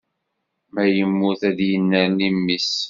Ma yemmut ad d-yennerni mmi-s